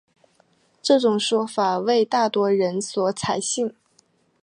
这种说法为大多数人所采信。